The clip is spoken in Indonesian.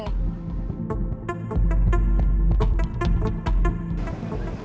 lo udah mau ke mana